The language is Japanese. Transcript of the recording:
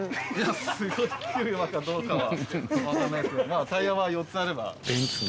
まあタイヤは４つあれば。